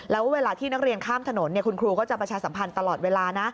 แล้วเวลาที่นักเรียนข้ามถนนคุณครูก็จะประชาสัมพันธ์ตลอดเวลานะ